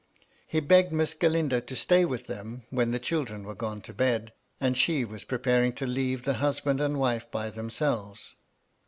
He begged Miss Galindo to stay with them, when the children were gone to bed, and she was preparing to leave the husband and MY LADY LUDLOW. 305 wife by themselves.